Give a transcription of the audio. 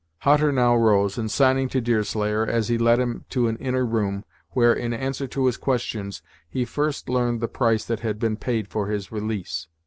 Hutter now rose, and signing to Deerslayer, he led him to an inner room, where, in answer to his questions, he first learned the price that had been paid for his release.